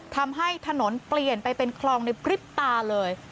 ทำให้ถนนเปลี่ยนไปเป็นคลองในพริบตาเลย